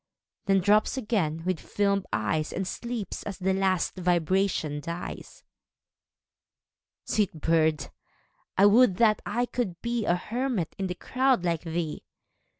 Then drops again with fdmed eyes, And sleeps as the last vibration dies. a (89) Sweet bird ! I would that I could be A hermit in the crowd like thee